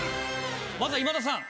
まずは今田さん。